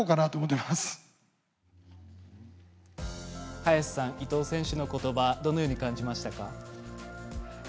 早瀬さん伊藤選手のことばどのように感じましたか？